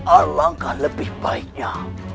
alangkah lebih baiknya